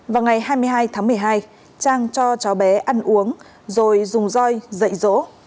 vào ngày hai mươi hai tháng một mươi hai trang cho cháu bé ăn uống rồi dùng dòi dạy dỗ